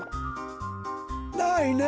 ないね。